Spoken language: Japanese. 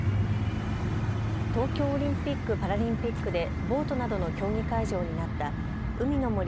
東京オリンピック・パラリンピックでボートなどの競技会場になった海の